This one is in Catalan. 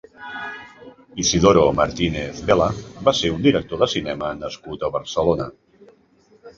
Isidoro Martínez-Vela va ser un director de cinema nascut a Barcelona.